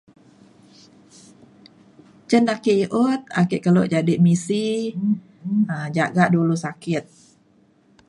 cen ake i'ut ake kelo jadi misi um jaga dulu sakit